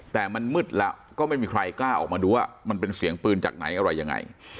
แต่มันมืดแล้วก็ไม่มีใครกล้าออกมาดูว่ามันเป็นเสียงปืนจากไหนอะไรยังไง